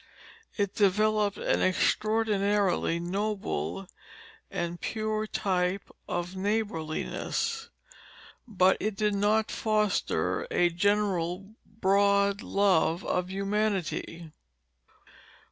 It developed an extraordinarily noble and pure type of neighborliness, but it did not foster a general broad love of humanity.